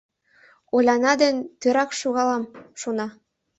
«Оляна ден тӧрак шогалам!» шона.